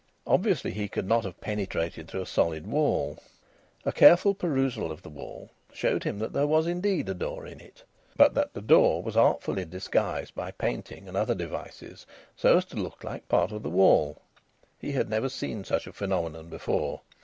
Obviously he could not have penetrated through a solid wall. A careful perusal of the wall showed him that there was indeed a door in it, but that the door was artfully disguised by painting and other devices so as to look like part of the wall. He had never seen such a phenomenon before.